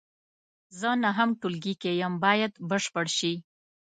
زه نهم ټولګي کې یم باید بشپړ شي.